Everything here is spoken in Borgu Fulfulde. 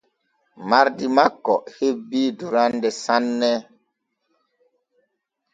Mardi makko hebii durande sanne.